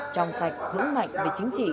trong sạch giữ mạnh về chính trị